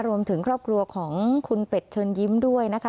รวมถึงครอบครัวของคุณเป็ดเชิญยิ้มด้วยนะคะ